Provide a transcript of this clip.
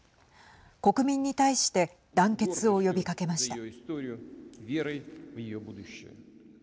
国民に対して団結を呼びかけました。